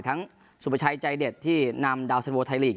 ทั้งสุปชัยใจเด็ดที่นำดาวน์เซนโวทายลีก